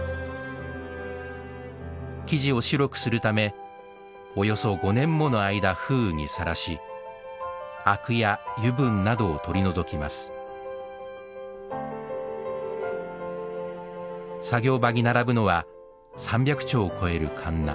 木地を白くするためおよそ５年もの間風雨にさらしあくや油分などを取り除きます作業場に並ぶのは３００丁を超えるかんな。